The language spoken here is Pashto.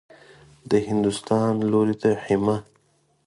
د هندوستان لوري ته حمه.